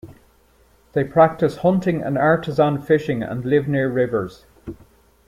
They practice hunting and artisan fishing and live near rivers.